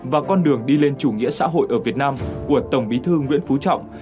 và con đường đi lên chủ nghĩa xã hội ở việt nam của tổng bí thư nguyễn phú trọng